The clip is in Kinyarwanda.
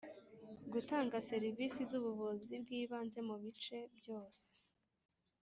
Gutanga serivisi z ubuvuzi bw ibanze mu bice byose